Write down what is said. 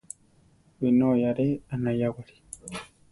Binói aáre anayáwari.